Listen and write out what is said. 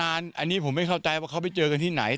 อันนี้ผมไม่เข้าใจว่าเขาไปเจอกันที่ไหน